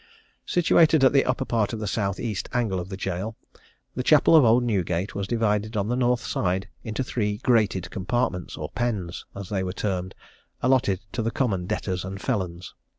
"Situated at the upper part of the south east angle of the gaol, the Chapel of Old Newgate was divided on the north side into three grated compartments, or pens, as they were termed, allotted to the common debtors and felons.